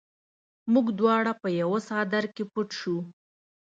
موږ دواړه په یوه څادر کې پټ شوو